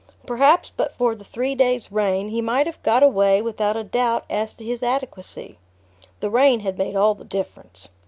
Perhaps but for the three days' rain he might have got away without a doubt as to his adequacy. The rain had made all the difference.